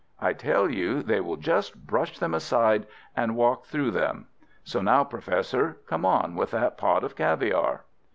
I tell you they will just brush them aside and walk through them. So now, Professor, come on with that pot of caviare!"